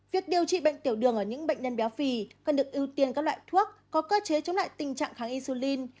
việc điều trị bệnh tiểu đường ở những bệnh nhân béo phì cần được ưu tiên các loại thuốc có cơ chế chống lại tình trạng kháng isulin